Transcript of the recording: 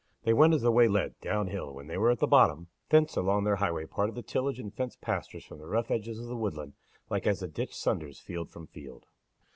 They went as the way led, down hill, and when they were at the bottom, thence along their highway parted the tillage and fenced pastures from the rough edges of the woodland like as a ditch sunders field from field.